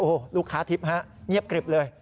โอ้โหลูกค้าทิพย์ฮะเงียบกริบเลย